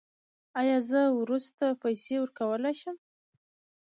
ایا زه وروسته پیسې ورکولی شم؟